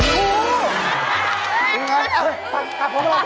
นี่ไงตัดของเรา